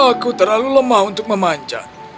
aku terlalu lemah untuk memanjat